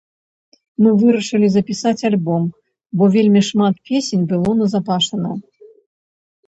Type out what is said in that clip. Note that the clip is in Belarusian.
Мы вырашылі запісаць альбом, бо вельмі шмат песень было назапашана.